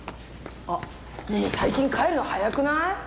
あっねえ最近帰るの早くない？